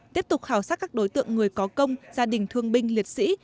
tiếp tục khảo sát các đối tượng người có công gia đình thương binh liệt sĩ